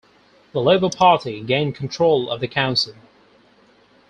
The Labour party gained control of the council.